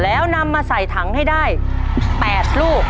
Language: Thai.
แล้วนำมาใส่ถังให้ได้๘ลูก